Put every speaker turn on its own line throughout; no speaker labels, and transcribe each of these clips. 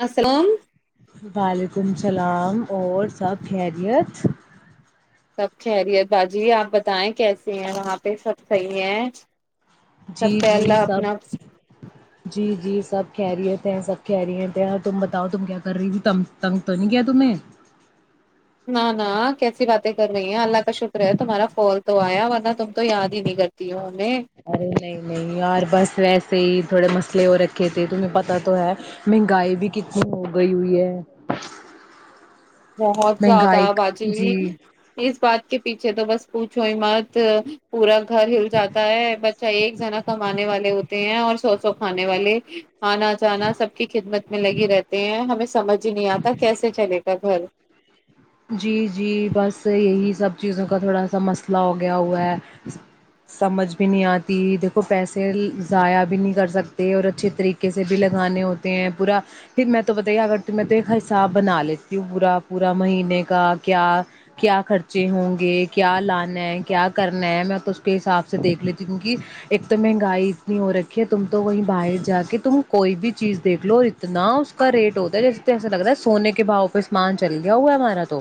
السلام
عیدمسلام اور سب خیریت [unintelligible]
سب کہہریی ہے باجی آپ بتائیں کیسے ہیں وہاں پہ سب صحیح ہے
جی
سب کے
جی
اللہ اپنا
سب جی جی سب کہہرییے تھے سب کہہ رہی تھے اور تم بتاؤ تم کیا کر رہی تھی تن تنگ تو نہیں کیا تمیں
نہ نہ کیسی باتیں کر رہی ہیں اللہ کا شکر ہے تمہارا فول تو آیا ورنہ تم تو یاد ہی نہیں کرتی ہو ہمیں
ارے نہیں نہیں [unintelligible] یار بس ویسے ہی تھوڑے مسئلے ہو رکھے تھے تمہیں پتا تو ہے مہنگائی بھی کتنی ہو گئی ہوئی ہے [unintelligible]
بہت زیادہ
مہنگائی
باجی
جی
اس بات کے پیچھے تو بس پوچھو مت پورا گھر ہل جاتا ہے بچہ ایک جنا کمانے والے ہوتے [unintelligible] ہیں اور سو سو کھانے والے [unintelligible] آنا جانا سب کی خدمت میں لگی رہتی ہیں ہمیں [unintelligible] سمجھ ہی نہیں آتا کیسے چلے گا بھر [unintelligible]
جی جی بس یہی سب چیزوں کا تھوڑا سا مسئلہ ہو گیا ہوا ہے سمجھ بھی نہیں آتی دیکھو پیسے ضائع بھی نہیں کر سکتے اور اچھے طریقے سے بھی لگانے ہوتے ہیں پورا پھر میں تو بتائیے اگر ت تو ایک حساب بنا لیتی ہوں پورا پا مہینے کا کیا کیا خرچے ہوں گے کیا لانا ہے کیا کرنا ہے میں تو اس کے حساب سے دیکھ لیتی ہوں کیوںک ایک تو مہنگائی اتنی ہو رکھی ہے تم تو وہیں باہر جا کے تم کوئی بھی چیز دیکھ لو اتنا اس کا ریٹ ہوتا ہے جیسےسا لگ رہا ہے سونے کے باؤ پہ سمان چل گیاؤا مارا تو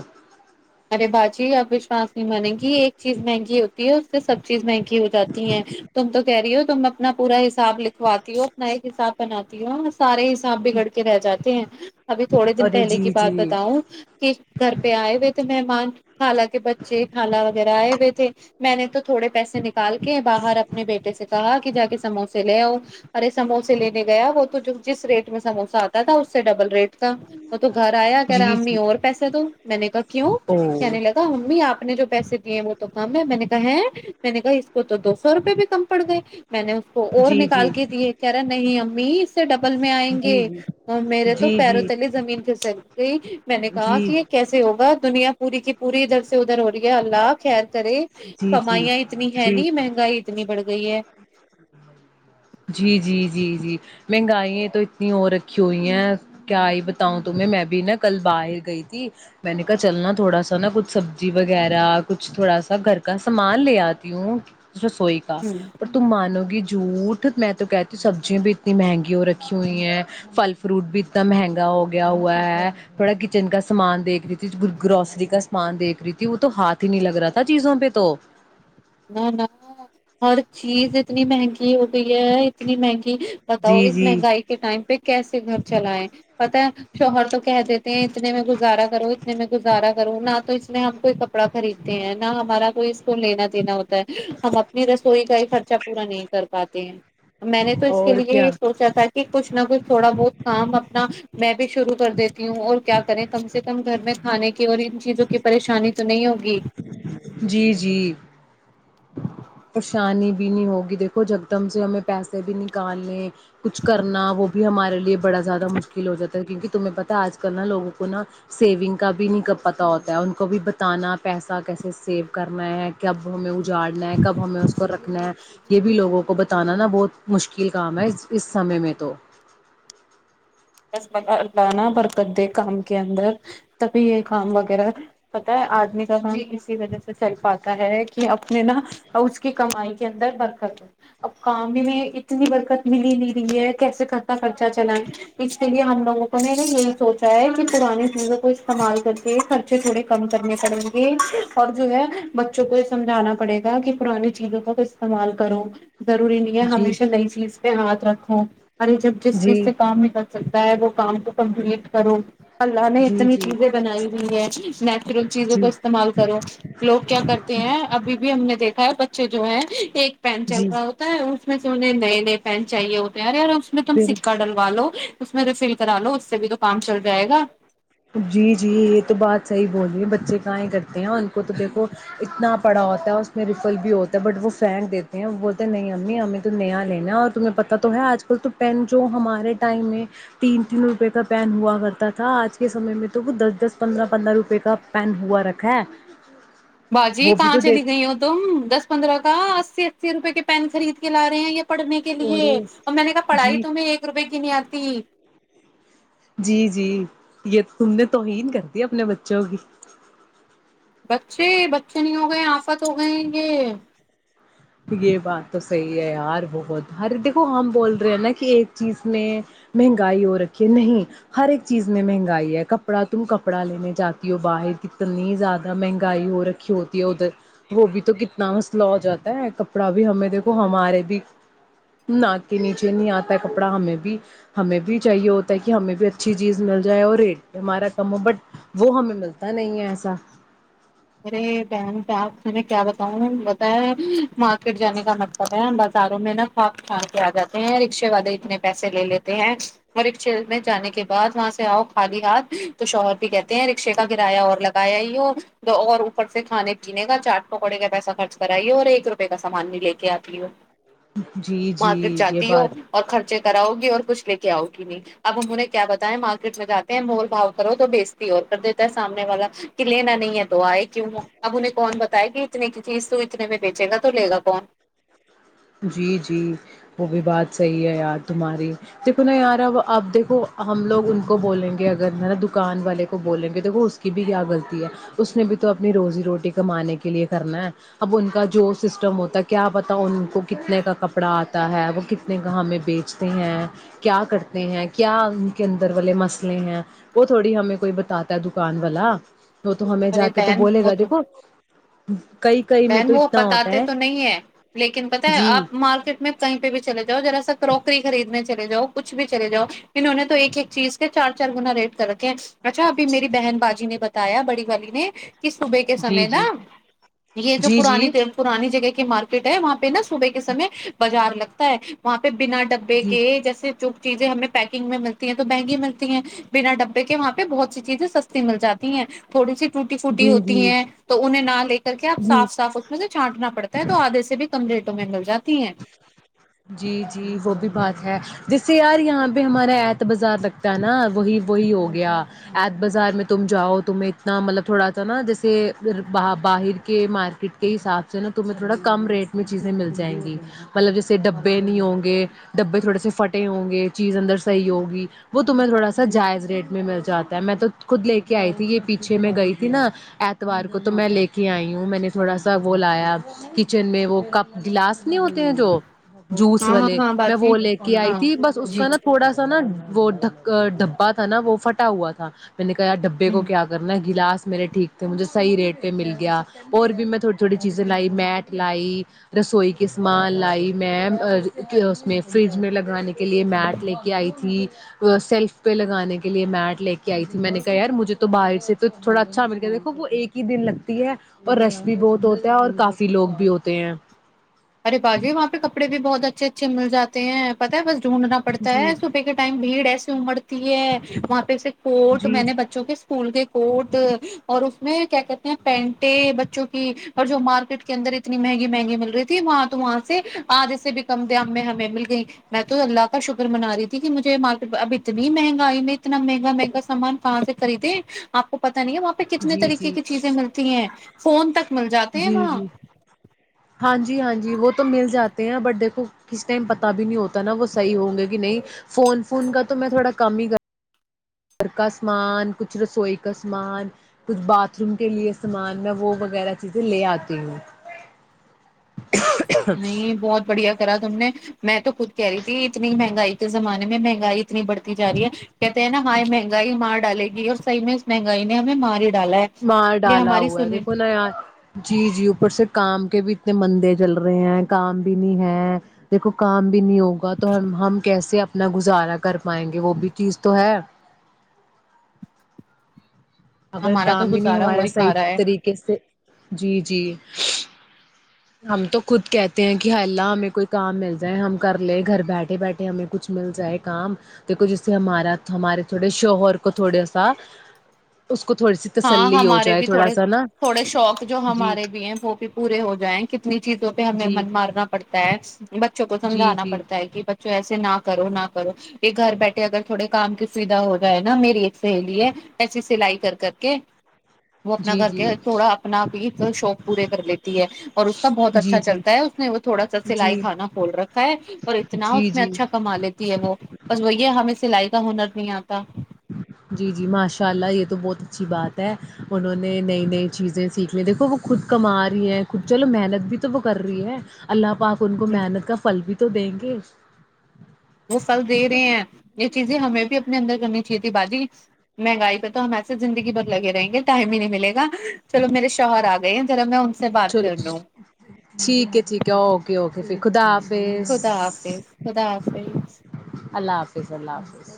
ارے بھجی اپ وشواس نہیں مانیں گی ایک چیز مہنگی ہوتی ہے اس سے سب چیز مہنگی ہو جاتی ہیں تم تو کہہ رہی ہو تم اپنا پورا حساب لکھواتی ہو اپنا ایک حساب بناتی ہوں سارے حساب بگڑ کے رہ جاتے ہیں ابھی تھوڑے دن
ارے
پہلے کی
جی
بات
جی
بتاؤں کہ گھر پہ آئے و مہمان حالانکہ بچے کھانا وغیرہ ہے [inaudible] [inaudible] میں نے تو تھوڑے پیسے نکال کے باہر اپنے بیٹے سے کہا کہ ج سموسے لے ارے سموسے لینے گیا وہ تو جس ریٹ میں سموس آتا تھا اس سے ڈبل ریٹ کا وہ تو گھر آیا کہہ رہا
جی
امی
جی
اور پیسے تو میں نے کہ
او
کہنے لگا ممی آپ نے جو پیسے دیے ہیں وہ تو کم ہے میں نے کہا ہے میں نے کہا اس کو تو دو سو روپئےے بھی کم پڑ گئے میں نے اس کو اور
جی
نکال
جی
کے دیے کہہ رہا نہیں امی ڈبل میں آئیں
جی
گے
جی
اور میرے تو
جی
پیروں
جی
تلی زمین پل سک گئی میں نے کہا کہ
جی
یہ کیسے ہوگا دنیا پوری کی پوری ادھر سے ادھر ہو رہی ہے اللہ خیر کرے
جی جی
کمائیاں اتنی ہے
جی
نہیں مہنگائی اتنی بڑھ گئی ہے
جی جی جی جی مہنگائ تو اتنی اور رکھی ہوئی ہیں کیا آئی بتاؤں تمہیں میں بھی نا کل باہر گئی تھی میں نے کہا چلناا تھوڑا سا نا کچھ سبزی وغیرہ کچھ تھوڑا سا گھر کا سامان لے آتی ہوں رسوئی کا
ہ
اور تم مانو گی جووٹ [unintelligible] میں تو کہتی ہوں سبزیاں بھی اتنی مہنگی ہو رکھی ہوئی ہیں پھل فروٹ بھی اتنا مہنگا ہو گیا ہوا ہے تھوڑا کچن کا سامان دیکھ رہی تھی گروسری کا سامان دیکھ رہی تھی وہ تو ہاتھ ہی نہیں لگ رہا تھا چیزوں پہ تو
نہ نہ ہر [unintelligible] چیز اتنی مہنگی ہو گئی ہے جتنی میںی [unintelligible] بتاؤ
جی
اس
جی
مہنگائی کے ٹائم پہ کیسے گھر چلائے پت ہے شوہر تو کہہ دیتے ہیں اتنے میں گزارا کرو میں گزارا کروں نہ تو اس میں ہم کو کپڑا خریدتے ہیں نہ ہمارا کوئی اس کو لینا [inaudible] ہم اپنی رسوئی کا ہی خرچہ پورا نہیں کر پاتے ہیں میں نے تو اس کے
اور
لیے
کیا
یہ سوچا تھا کہ کچھ نہ کچھ تھوڑا بہت کام اپنا میں بھی شرو کر دیتی ہوں اور کیا کریں کم سے کم گھر میں کھانے کی اور ان چیزوں کی پریشانی تو نہیں ہوگی
جی جی پریشانی بھی نہیں ہوگی دیکھو جکدم سے ہمیں پیسے بھی نکالنے کچھ کرنا وہ بھی ہمارے لیے بڑا زیادہ مشکل ہو جاتا ہے کیونکہ تمہیں پتاہ ہے آج کل نا لوگوں کو نا سیونگ کا بھی نہیں پتا ہوتا ہے ان کو بھی بتانا پیسہ کیسے سیو کرنا ہے کب ہمیں اجاڑ کب ہمیں اس کو رکھ رنا یہ بھی لوگوں کو بتانا نا بہت مشکل کام ہے اس اس سمے میں تو
بس اللہ نا برکت دے کام کے اندر تبھی یہ کام وغیرہ پتا ہے آدمی کا کام اسی وجہ سے سیلف آتا ہے کہ اپنے نا اس کی کمائی کے اندر برکت ہو اب کام ہی میں اتنی برکت مل ہی نہیں رہی ہے کیسے کرتا کرتا ا چلان چ لیے ہم لوگوں کو نے یہی سوچا ہے کہ پرانی چیزوں کو استعمال کر کے خرچے تھوڑے کم کرنے پڑیں گے اور جو ہے بچوں کو یہ سمجھانا پڑے گا کہ پرانی چیزوں کو استعمال کرو ضروری نہیں ہے
جی
ہمیشہ نئی چیز پہ ہاتھ رکھو ارے جب جس
جی
چیز سے کام ن کر تا ہے وہ کام کو کمپلیٹ کرو اللہ نے
جی
اتنی
جی
چیزیں بنائی ہوئی ہے نیچرل چیزوں
جی
کو استعمال کرو لوگ کیا کرتے ہیں ابھی بھی ہم نے دیکھا ہے بچے جو ہے ایک پین چل
جی
رہا ہوتا ہے اس میں سے انہیں نئے نئے پین چاہیے ہوتے ہیں رے یار اس میں تم
بال
سکہ ڈلوا لو میں فل کرا لو اس سے بھی تو کام چلتا
جی جی یہ تو بات صحیح بول رہی ہے ب بچے گیں کرتے ہیں ان کو تو دیکھو اتنا پڑا ہوتا ہے اس میں ریفل بھی ہوتا ہے بٹ وہ پھینک دیتے ہیں بولتے ہیں نہیں امی ہمیں تو نیا لینا اور تمہیں پتہ تو ہے آج کل تو پین جو ہمارے ٹائم میں تین تین روپئے کا پین ہوا کرتا تھا آج کے سمے میں تو وہ دس دس پندرہ پندرہ روپئے کا پین ہوا رکھا ہے
باجی
وہ بھی
کہاں
تو
چلی
دیکھ
گئی ہو تم دس پندرہ اسی اسی روپئے کے پین خرید کے لا رہے ہیں یہ پڑنے کے لیے
ارے
اور میں نے کہا پڑھائی
جی
تو میں ایک روپئے گنی آتی تین [inaudible]
جی جی یہ تم نے توہین کر دیا اپنے بچوں کی
بچے بچے نہیں ہو گئے آفت ہو گئے یہ
یہ بات تو صحیح ہے یار بہت ہر دیکھو ہم بول رہے ہیں نا کہ ایک چیز میں مہنگائی ہو رکھی ہے نہیں ہر ایک چیز میں مہنگائی ہے کپڑا تم کپڑا لینے جاتی ہو باہر کتنی زیادہ مہنگائی ہو رکھی ہوتی ہے ادھر وہ بھی تو کتنا مسئلہ ہو جاتا ہے کپڑا بھی ہمیں دیکھو ہمارے بھی ناک کے نیچے نہیں آتا ہے کپڑا ہمیں بھی ہمیں بھی چاہیے ہوتا ہے کہ ہمیں بھی اچھی چیز مل جائے اور ریٹ ہمارا کم ہو بٹ وہ ہمیں ملتا نہیں ہے ایسا
ارے بہن آپ میں کیا بتاؤں بتایا مارکٹ جان کمتا ہے ب ساروں میں نہا کھاک کھان کے آ جاتے ہیں رکشے والے اتنے پیسے لے لیتے ہیں اور رکشے میں جانے کے بعد وہاں سے آؤ خالی ہاتھ تو شوہر بھی کہتے ہیں رکشے کا کرایہ اور لگایا ہی ہو تو اور اوپر سے کھان پینے کا چاٹ پکوڑے کا پیسہ خرچ کرائیے اور ایک روپے کا سامان بھی لے کے آتی ہے
جی
مارکیٹ
جی یہ
جاتی ہو
بات
اور خرچے کراؤ اور کچھ لے کے آؤ گی نہیں اب ہمہوں نے کیا بتا ہے مارکیٹ میں جاتے ہیں مور بھاؤ کرو تو بیجتی اور کر دیتا ہے سامنے والا کہ لینا نہیں ہے تو آئی کیوں ہو اب انہیں کون بتا بتائے گی اتنے کی چیز تو اتنے میں بیچے گا تو لے گا کون
جی جی وہ بھی بات صحیح ہے یار تمہاری دیکھو نا یار اب اب دیکھو ہم لوگ ان کو بولیں گے اگر نا دکان والے کو بولیں گے دیکو اس کی بھی کیا غلطی ہے اس نے بھی تو اپنی روزی روٹی کمانے کے لیے کرنا ہے اب ان کا جو سسٹم ہوتا ہے کیا پتا ان کو کتنے کا کپڑا آتا ہے وہ کتنے کا ہمیں بیچتے ہیں کیا کرتے ہیں کیا ان کے اندر والے مسئلے ہیں وہ تھوڑی ہمیں کوئی بتاتا ہے دکان والا تو تو ہمیں جا
ارے
کے تو
بہن
بولے
وہ
گا
تو
دیکھو ہوں [inaudible]
بہن وہ بتاتے تو نہیں ہے لیکن بت ہے
جی
آپ مارکیٹ میں س پہ بھی چل جاؤ جذرا س کروکری خریدنے چل جاؤ کچھ بھی چلے جاؤ اننہوں نے تو ایک ایک چیز کے چار چار گنا ریٹ کر رکھے ہیں اچھا ابھی میری بہن باجی نے بتایا بڑی والی نے ک صبح کے
جی
سمے نا
جی
یہ جو
جی
پرانی
جی
تھ پرانی جگہ کی مارکیٹ ہے وہاں پہ نا صبح کے سمے بازار لگتا ہے وہاں پہ بنا ڈبے
جی
کے جیسے جو چیزیں ہمیں پیکنگ میں ملتی ہیں تو مہنگی ملتی ہیں بنا ڈبے کے وہاں پہ بہت سی چیزیں سستی مل جاتی ہیں تھوڑی سی ٹوٹی فوٹی
جی
ہوتی
جی
ہیں تو انہیں نہ لے کے کر کے آپ
جی
صاف صاف اس میں سے چانٹنا پڑتا ہے تو آدھے سے بھی کم ریٹوں میں مل جاتی ہے
جیسے یار یہاں پہ ہمارا ایت بازار لگتا ہے نا وہی وہی ہو گیا ایت بازار میں تم جاؤ تمہیں اتنا مطلب تھوڑا سا نا جیسے باہر کہ مارکیٹ کے حساب سے نا تمہیں تھوڑا کم ریٹ میں چیزیں مل جائیں گی مطلب جیسے ڈبے نہیں ہوں گے ڈبے تھوڑے سے پھٹے ہوں گے چیز اندر صحیح ہوگی وہ تمہیں تھوڑا سا جائز ریٹ میں مل جاتا ہے میں تو خود لے کے آئی تھی یہ پیچھے میں گئی تھی نا اتوار کو تو میں لے کے آئی ہوں میں نے تھوڑا سا وہ لایا کچن میں وہ کپ گلاس ہوتے ہیں جو جوس
ہاں ہاں
والے
ہاں
میں
باجی
وہ لے کے آئی
ہاں
تھی بس اس
جی
کا نا تھوڑا سا نا وہ ڈ ڈھبا تھا نا وہ پھٹا ہوا تھا میں نے کہا ڈبے
ہ
کو کیا کرنا ہے گلاس میرے ٹھیک تھے مجھے صحیح ریٹ پہ مل گیا اور بھی میں تھوڑی تھوڑی چیزیں لائی میٹ لائی رسوئی کے سامان لائی میں اس میں فریج میں لگانے کے لیے میٹ لے کے آئی تھی سیلف پہ لگانے کے لیے میٹ لے کے آئی تھی میں نے کہا یار مجھے تو باہر سے تو تھوڑا اچھا مل گیا دیکھو وہ ایک ہی دن لگتی ہے اور رش بھی بہت ہوتا ہے اور کافی لوگ بھی ہوتے ہیں
ار باجی وہاں پہ کپڑے بھی بہت اچھے اچھےل جاتے ہیں پتہ ہے بس ڈھونڈنا پڑتا ہے
جی
صبح کے ٹائم بھیڑ ایسی امڑتی ہے وہاں پہ سے کوٹ میں
جی
نے بچوں کے پکول کے کوٹ اور اس میں کیا کہتے ہیں پینٹے بچوں کی اور جو مارکیٹ کے اندر اتنی مہنگی مہنگی مل رہی ت وہاں تو وہاں سے آج سے بھی کم دام میں ہمیں مل گئی میں تو اللہ کا شکر منا رہی تھی کہ مجھے مارکیٹ اب اتنی مہنگائی میں اتنا مہنگا مہنگا سامان کہاں سے خریدے آپ کو پت نہیں ہے وہاں پہ کتنے
جی جی
طریقے کی چیزیں ملتی ہیں فون تک مل جاتے ہیں
جی
وہاں
جی ہاں جی ہاں جی وہ تو مل جاتے ہیں بٹ دیکھو کس ٹائم پتہ بھی نہیں ہوتا نا وہ صحیح ہوں گے کہ نہیں فون فون کا تو میں تھوڑا کم ہی کروں گھر کا سامان کچھ رسوئی کا سامان کچھ باتھ روم کے لئے سامان میں وہ وغیرہ چیزیں لے آتی ہوں
نہیں بہت بڑھیا ا تم نے میں تو خود کہہ رہی تھی اتنی مہنگائی کے زمانے میں مہنگائی اتنی بڑتی ج رہی ہے کہتے ہیں نا ہاں مہنگائی مار ڈالے گی اور صحی میں اس مہنگائی نے ہمیں ماری
مار ڈالا ہوا ہے دیکھو نا یار جی جی اوپر سے کام کے بھی اتنے مندے چل رہے ہیں کام بھی نہیں ہے دیکھو کام بھی نہیں ہوگا تو ہم ہم کیسے اپنا گزارا کر پائیں گے وہ بھی چیز تو ہے اگر
ہمارا تو
کام ہی نہیں
گزارا ہو
ہمارا صحیح
کھا رہا ہے
طریقے سے جی جی ہم تو خود کہتے ہیں کہ ح اللہ ہمیں کوئی کام مل جائے ہم کر لے گھر بیٹھے بیٹھے ہمیں کچھ مل جائے کام دیکھو جس سے ہمارا ہمارے تھوڑے شوہر کو تھوڑا سا کو تھوڑی سی
ہاں
تسلی ہو
ہمارے
جائے
بھی
تھوڑا
تھوڑے
سا نا
تھوڑے شوق جو
جی
ہمارے بھی ہیں وہ بھی پورے ہو جائیں کتنی چیزیں پہ ہمیں
جی
من مارنا پڑتا ہے بچوں کو
جی
سمجھانا
جی
پڑتا ہے کہ بچوں ایسے ناک کرو نہ کرو یہ گھر بیٹھے اگر تھوڑے کام کی سویدھا ہو جائے نا میری ایک سہیلی ہے ایسی سلائی کر کر کہ وہ اپنا
جی
گھر
جی
کے تھوڑا اپنا بھی شوق پورے کر لیتی ہے اور اس کا بہت
جی
اچھا چلتا ہے اس نے وہ تھوڑا سا
جی
سلائی کھانا کھول رکھا ہے اور اتنا
جی
اس میں
جی
اچھا کما لیتی ہے وہ بس وہی ہمیں سلائی کا ہنر نہیں آتا
جی جی ماشاء اللہ یہ تو بہت اچھی بات ہے انہوں نے نئی نئی چیزیں سیکھ لی دیکھو وہ خود کما رہی ہیں خود چلو محنت بھی تو وہ کر رہی ہے اللہ پاک ان کو محنت کا فل بھی تو دیں گے
وہ فھل دے رہے ہیں یہ چیزیں ہمیں بھی اپنے اندر کرنی تھی باجی مہنگائی پہ تو ہم ایسے زندگی بھر لگے رہیں گے ٹائم ہی نہیں ملےا چلو میرے شوہر آ گئے ہیں را میں ان سے بات
چلو
کر لوں
ٹھیک ہے ٹھیک ہے اوکے اوکے پھر
ہ
خدا حافظ
خدا حافظ خدا حافظ
حفظ اللہ حافظ